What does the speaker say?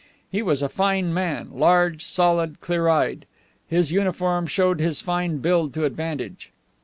He was a fine man, large, solid, clear eyed. His uniform showed his fine build to advantage.